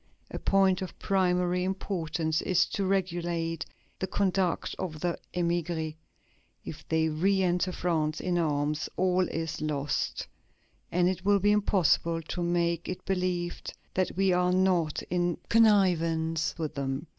A point of primary importance is to regulate the conduct of the émigrés. If they re enter France in arms, all is lost, and it will be impossible to make it believed that we are not in connivance with them.